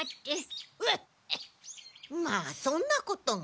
まあそんなことが。